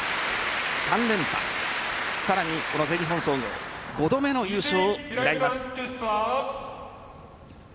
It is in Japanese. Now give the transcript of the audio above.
３連覇、さらに全日本総合５度目の優勝を狙います。